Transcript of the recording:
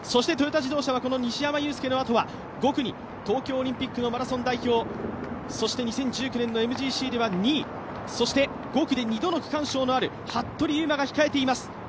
トヨタ自動車は西山雄介のあとは５区に東京オリンピックマラソン代表２０１９年のＭＧＣでは２位、５区で２度の区間賞のある服部勇馬が控えています。